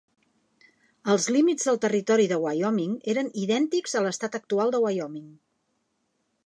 Els límits del territori de Wyoming eren idèntics a l'estat actual de Wyoming.